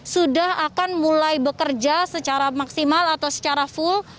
sudah akan mulai bekerja secara maksimal atau secara full